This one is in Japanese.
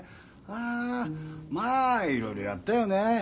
ああまあいろいろやったよね。